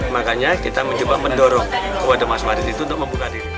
makanya kita mencoba mendorong kepada mas farid itu untuk membuka diri